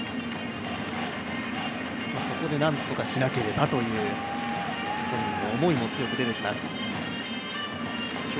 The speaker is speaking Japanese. そこで何とかしなければという思いも強く出てきます。